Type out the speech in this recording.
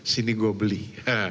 sini gua beli haha